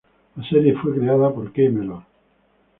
La serie fue creada por Kay Mellor.